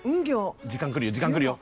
時間くるよ時間くるよ。